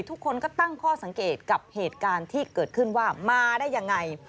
ทุกคนก็ตั้งข้อสังเกตกับเหตุการณ์ที่เกิดขึ้นว่ามาได้ยังไง